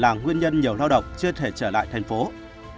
là nguyên nhân nhiều lao động chưa thể trở lại tp hcm